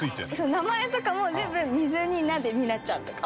名前とかも全部「水」に「菜」で水菜ちゃんとか。